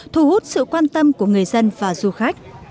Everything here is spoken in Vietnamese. thu hút sự quan tâm của người dân và du khách